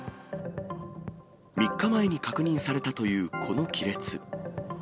３日前に確認されたというこの亀裂。